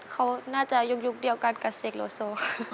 เขาน่าจะยุคเดียวกันกับเสกโลโซ